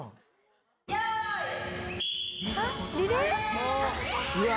あっリレー？